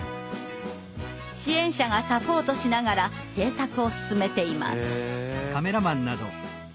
支援者がサポートしながら制作を進めています。